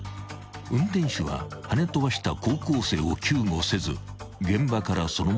［運転手ははね飛ばした高校生を救護せず現場からそのまま逃走］